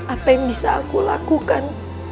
apa yang bisa aku lakukan